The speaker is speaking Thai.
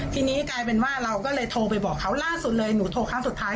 ทีนี้กลายเป็นว่าเราก็เลยโทรไปบอกเขาล่าสุดเลยหนูโทรครั้งสุดท้าย